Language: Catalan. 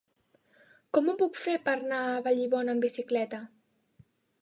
Com ho puc fer per anar a Vallibona amb bicicleta?